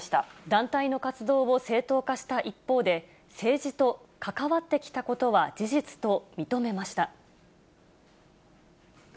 団体の活動を正当化した一方で、政治と関わってきたことは事実と認めました。